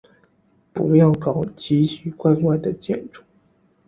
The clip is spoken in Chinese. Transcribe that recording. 不要搞奇奇怪怪的建筑。